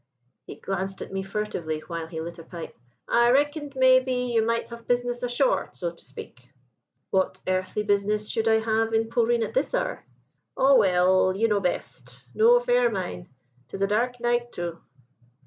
"He glanced at me furtively while he lit a pipe. 'I reckoned, maybe, you might have business ashore, so to speak.' "'What earthly business should I have in Polreen at this hour?' "'Aw, well ... you know best ... no affair o' mine. 'Tis a dark night, too.'